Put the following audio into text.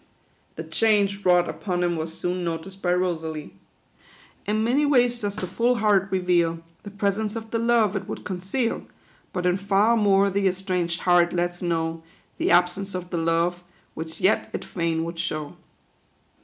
The change wrought upon him was soon noticed by Rosalie. "In many ways does the full heart reveal The presence of the love it would conceal; But ill far more the estranged heart lets know The absence of the love, which yet it fain would show."